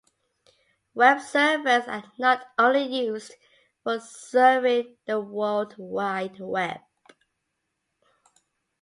Web servers are not only used for serving the World Wide Web.